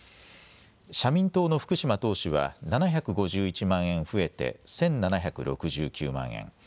社民党の福島党首は７５１万円増えて１７６９万円。